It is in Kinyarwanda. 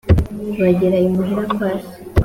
bagera ímuhirá kwa se